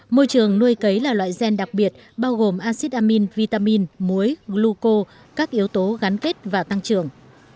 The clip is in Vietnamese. môi trường nuôi cấy là loại gen đặc biệt bao gồm acid amin vitamin muối gluco các yếu tố gắn kết và tăng trưởng